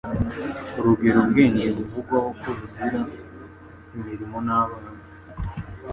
Urugero, ubwenge buvugwaho ko bugira “imirimo” n'“abana,